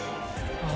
ああ！